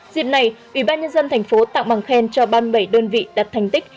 diệp này ủy ban nhân dân thành phố tạo bằng khen cho ban bảy đơn vị đặt thành tích